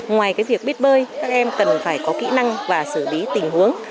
ngoài việc biết bơi các em cần phải có kỹ năng và xử lý tình huống